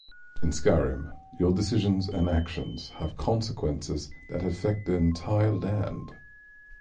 In Skyrim, your decisions and actions have consequences that affect the entire land.